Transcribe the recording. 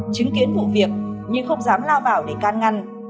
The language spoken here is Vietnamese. chứng kiến vụ việc nhưng không dám lao vào để can ngăn